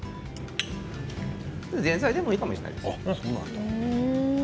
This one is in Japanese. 前菜でもいいかもしれないですね。